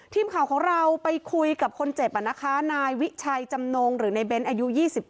ทีมข่าวของเราไปคุยกับคนเจ็บนะคะนายวิชัยจำนงหรือในเบ้นอายุ๒๗